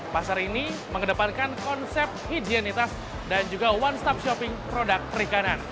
pasar ini mengedepankan konsep higienitas dan juga one stop shopping produk perikanan